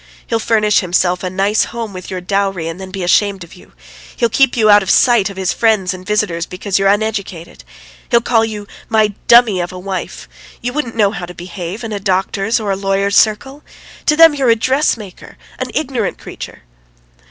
He'll furnish himself a nice home with your dowry, and then be ashamed of you. He'll keep you out of sight of his friends and visitors, because you're uneducated. He'll call you 'my dummy of a wife.' You wouldn't know how to behave in a doctor's or lawyer's circle. To them you're a dressmaker, an ignorant creature."